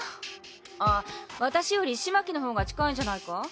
あっ私より風巻の方が近いんじゃないか？